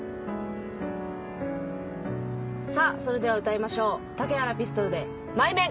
さぁそれでは歌いましょう竹原ピストルで『マイメン』。